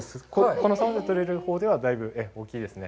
この沢で採れるほうではだいぶ大きいですね。